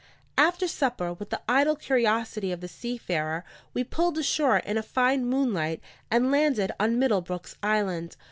After supper, with the idle curiosity of the seafarer, we pulled ashore in a fine moonlight, and landed on Middle Brook's Island.